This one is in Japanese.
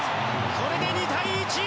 これで２対１！